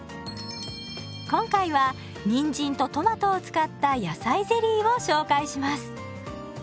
今回はにんじんとトマトを使った野菜ゼリーを紹介します。